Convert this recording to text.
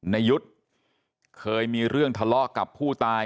ในยุทธ์เคยมีเรื่องทะเลาะกับผู้ตาย